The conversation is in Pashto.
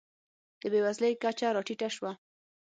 د بېوزلۍ کچه راټیټه شوه.